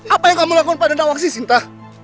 apa yang kamu lakukan pada nawasi sinta